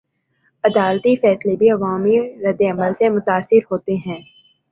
عدالتی فیصلے بھی عوامی ردعمل سے متاثر ہوتے ہیں؟